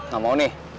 gak mau nih